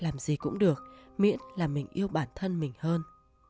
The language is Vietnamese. làm gì cũng được miễn là mình yêu bản thân mình hơn